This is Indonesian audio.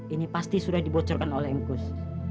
ini pasti sudah dibocorkan oleh engkus